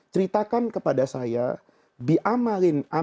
ceritakan kepada saya